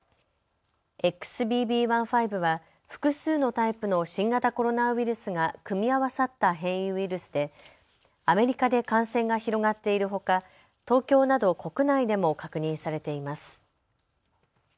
ＸＢＢ．１．５は複数のタイプの新型コロナウイルスが組み合わさった変異ウイルスでアメリカで感染が広がっているほか、東京など国内でも確認されています。